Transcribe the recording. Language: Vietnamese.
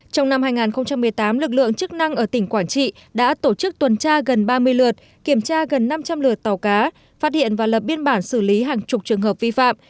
trong năm hai nghìn một mươi tám lực lượng chức năng ở tỉnh quảng trị đã tổ chức tuần tra gần ba mươi lượt kiểm tra gần năm trăm linh lượt tàu cá phát hiện và lập biên bản xử lý hàng chục trường hợp vi phạm